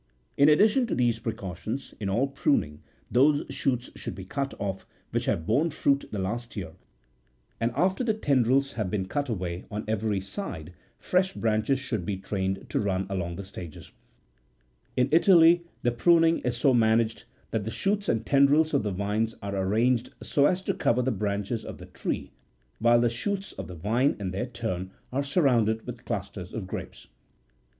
In addition to these precautions, in all pruning, those shoots should be cut off which have borne fruit the last year, and after the ten 59 Easilis. s0 Columella, B. v. c. 6. ei Columella, B. v. c. 6. Chap. 35.] CULTURE OF THE VEtfE. 515 drils62 have been cut away on every side fresh branches should be trained to run along the stages. In Italy the pruning is so managed that the shoots and tendrils of the vines are arranged so as to cover the branches of the tree, while the shoots of the vine in their turn are surrounded with clusters of grapes.